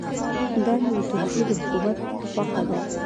دا نو د ترکیې د حکومت خوښه ده.